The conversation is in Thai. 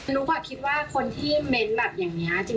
ุ๊กคิดว่าคนที่เม้นต์แบบอย่างนี้